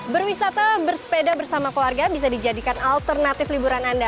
berwisata bersepeda bersama keluarga bisa dijadikan alternatif liburan anda